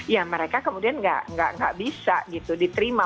ya mereka kemudian nggak bisa gitu diterima